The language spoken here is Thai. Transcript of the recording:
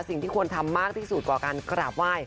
สิ่งที่ควรทำมากที่สุดกว่าการกราบไหว้